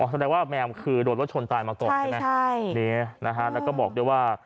อ๋อแสดงว่าแมมคือโดดรถชนตายมาก่อนใช่ไหมใช่ใช่นี่นะคะแล้วก็บอกด้วยว่า